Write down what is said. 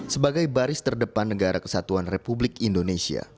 sebagai baris terdepan negara kesatuan republik indonesia